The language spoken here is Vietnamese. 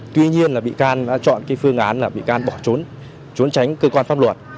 tuy nhiên là bị can đã chọn cái phương án là bị can bỏ trốn trốn tránh cơ quan pháp luật